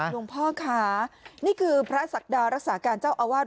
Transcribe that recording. หลวงพ่อค่ะนี่คือพระศักดารักษาการเจ้าอาวาส